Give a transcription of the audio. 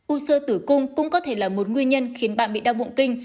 u sơ tử cung cũng có thể là một nguyên nhân khiến bạn bị đau bụng kinh